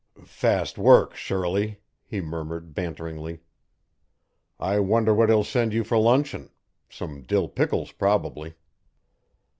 "Fast work, Shirley," he murmured banteringly. "I wonder what he'll send you for luncheon. Some dill pickles, probably."